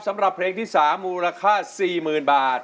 สำหรับเพลงที่๓มูลค่า๔๐๐๐บาท